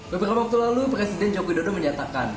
beberapa waktu lalu presiden joko widodo menyatakan